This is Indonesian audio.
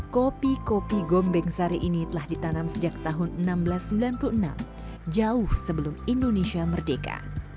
kopi kopi gombeng sari ini telah ditanam sejak tahun seribu enam ratus sembilan puluh enam jauh sebelum indonesia merdeka